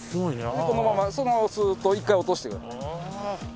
でこのままそのままスーッと一回落としてください。